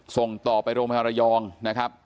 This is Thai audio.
ส่งต่อไปโรมไพรยองนะครับ